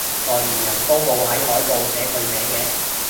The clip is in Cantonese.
代言人都冇喺海報寫佢名嘅？